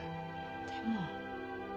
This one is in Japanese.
「でも」